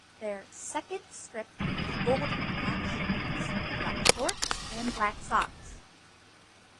Their second strip is gold and black shirts, black shorts and black socks.